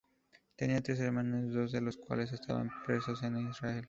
Tenía tres hermanos, dos de los cuales estaban presos en Israel.